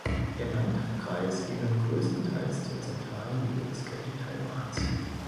Der Landkreis gehört größtenteils zur zentralen Gebirgskette Taiwans.